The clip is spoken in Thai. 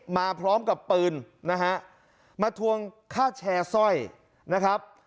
มาพร้อมกับปืนนะฮะมาทวงค่าแชร์สร้อยนะครับ